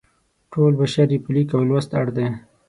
ټول بشر یې په لیک او لوست اړ دی.